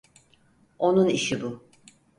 Onun işi bu.